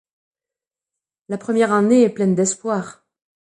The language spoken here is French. La première année est pleine d'espoirs.